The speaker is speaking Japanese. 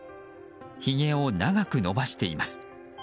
ひげを長く伸ばしています。